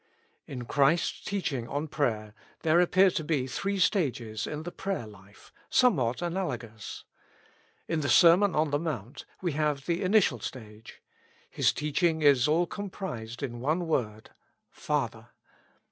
In Christ's teaching on prayer there appear to be 200 With Christ in the School of Prayer. three stages in the prayer life, somewhat analogous. In the Sermon on the Mount we have the initial stage : His teaching is all comprised in one word, Father.